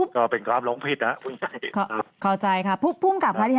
ก็เป็นการลงผิดนะคุณใหญ่